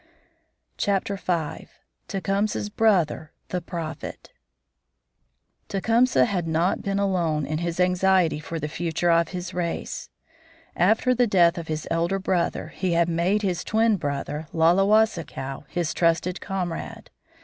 V. TECUMSEH'S BROTHER, THE PROPHET Tecumseh had not been alone in his anxiety for the future of his race. After the death of his elder brother he had made his twin brother, Laulewasikaw, his trusted comrade.